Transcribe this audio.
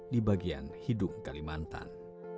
di bagian hidup kalimantan